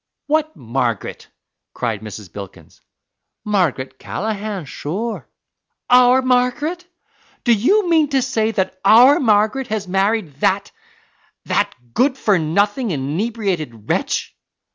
"What Margaret?" cried Mrs. Bilkins. "Margaret Callaghan, sure." "Our Margaret? Do you mean to say that OUR Margaret has married that that good for nothing, inebriated wretch?"